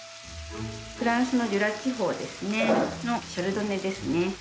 フランスのジュラ地方ですねのシャルドネですね。